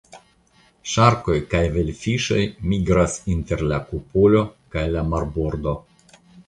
Ŝarkoj kaj velfiŝoj migras inter la kupolo kaj la marbordo.